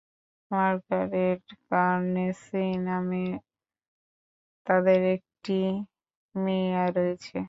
Margaret Carnegie নামে তাদের একটি মেয়ে রয়েছে।